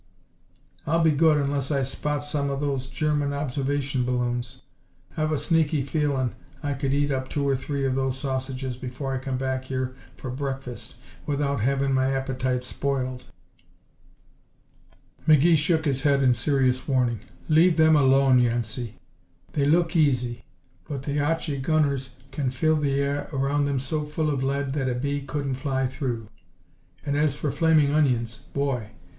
"I'll be good unless I spot some of those German observation balloons. I've a sneaky feelin' I could eat up two or three of those sausages before I come back here for breakfast without havin' my appetite spoiled." McGee shook his head in serious warning. "Leave them alone, Yancey. They look easy, but the Archie gunners can fill the air around 'em so full of lead that a bee couldn't fly through. And as for flaming onions boy!